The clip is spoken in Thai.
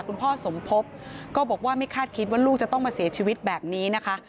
คุณพ่อสมพบก็บอกว่าไม่คาดคิดว่าลูกจะต้องมาเสียชีวิตแบบนี้นะคะ